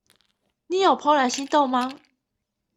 你有怦然心動嗎？